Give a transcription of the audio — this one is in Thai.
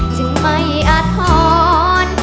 จึงไม่อาทร